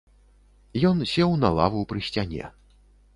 Ён сеў на лаву пры сцяне.